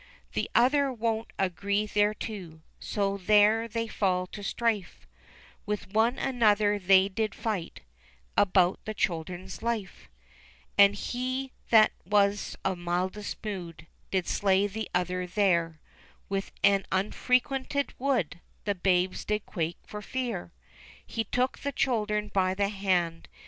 The other won't agree thereto, So there they fall to strife ; With one another they did fight About the children's life ; And he that was of mildest mood Did slay the other there, Within an unfrequented wood ; The babes did quake for fear ! He took the children by the hand.